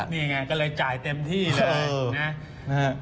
นี่ไงก็เลยจ่ายเต็มที่เลยนะ